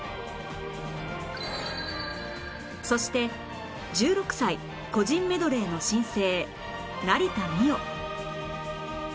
そして１６歳個人メドレーの新星成田実生